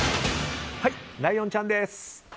ライオンちゃんです。